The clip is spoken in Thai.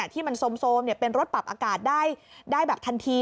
ที่มันโซมเป็นรถปรับอากาศได้แบบทันที